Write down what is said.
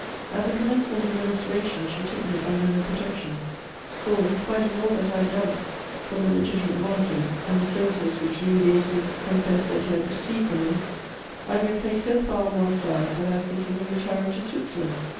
At the commencement of the Restoration, she took me under her protection; for, in spite of all that I had done for the Legitimate Monarchy and the services which Louis XVIII. confessed that he had received from me, I had been placed so far on one side that I was thinking of retiring to Switzerland.